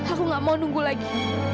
aku gak mau nunggu lagi